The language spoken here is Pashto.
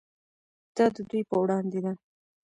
دا د دوی په وړاندې ده.